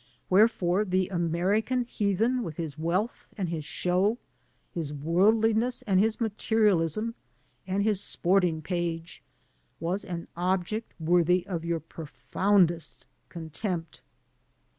Wherefore the American heathen with his wealth and his show, his worldliness and his materialism and his sporting page, was an object worthy of your profoundest contempt.